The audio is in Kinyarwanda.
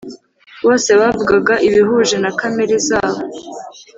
Bose bavugaga ibihuje na kamere zabo